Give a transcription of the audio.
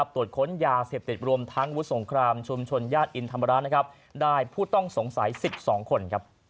ตรวจค้นยาเสพติดรวมทั้งวุฒิสงครามชุมชนญาติอินธรรมราชได้ผู้ต้องสงสัย๑๒คน